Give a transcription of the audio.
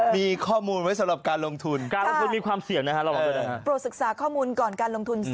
มีข้อมูลเช่นซำบัดเพื่อนสำหรับการลงทุน